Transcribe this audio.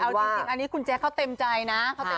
เอาจริงอันนี้คุณแจ๊คเขาเต็มใจนะ